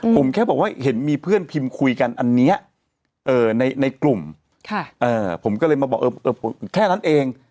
ผมแค่บอกว่าเห็นมีเพื่อนพิมพ์คุยกันอันนี้ในกลุ่มผมก็เลยมาบอกแค่นั้นเอง